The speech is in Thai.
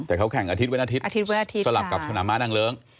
แต่เขาแข่งอาทิตยวันอาทิตอาทิตย์สลับกับสนามม้านางเลิ้ง